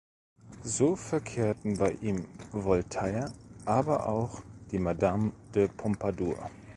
So verkehrten bei ihm Voltaire, aber auch die Madame de Pompadour.